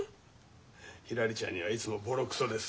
ひらりちゃんにはいつもボロクソです。